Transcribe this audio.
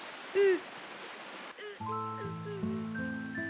うん。